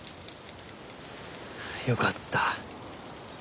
よかった。